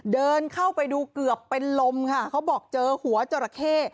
เดินเข้าไปดูเกือบเป็นลมค่ะเขาบอกเจอหัวจราเข้